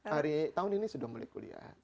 hari tahun ini sudah mulai kuliah